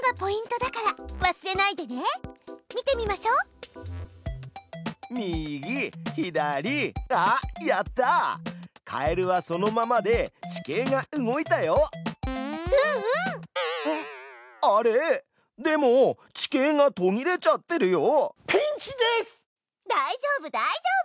だいじょうぶだいじょうぶ！